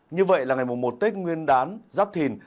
như vậy là ngày một tết nguyên đán giáp thìn